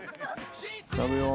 食べよう。